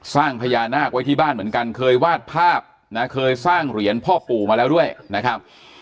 สร้างพญานาคไว้ที่บ้านเหมือนกันเคยวาดภาพนะเคยสร้างเหรียญพ่อปู่มาแล้วด้วยนะครับ